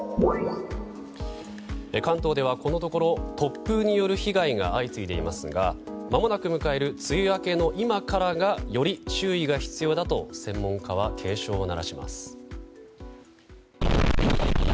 関東ではこのところ、突風による被害が相次いでいますがまもなく迎える梅雨明けの今からがより注意が必要だと専門家は警鐘を鳴らします。